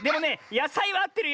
やさいはあってるよ。